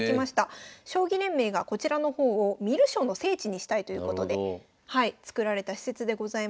将棋連盟がこちらの方を観る将の聖地にしたいということで造られた施設でございます。